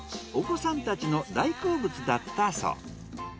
お子さんたちの大好物だったそう。